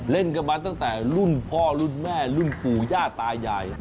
เล่นกันมาตั้งแต่รุ่นพ่อรุ่นแม่รุ่นปู่ย่าตายาย